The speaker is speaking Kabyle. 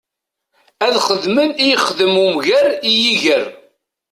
Ad xedmen i yexdem umger i yiger.